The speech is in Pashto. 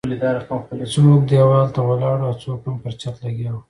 څوک ديوال ته ولاړ وو او څوک هم پر چت لګیا وو.